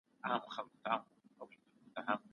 ابن خلدون دا تحليل کوي.